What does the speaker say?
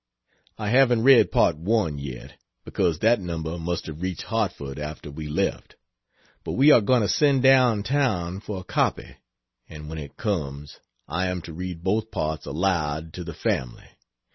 I haven't read Part I yet, because that number must have reached Hartford after we left; but we are going to send down town for a copy, and when it comes I am to read both parts aloud to the family.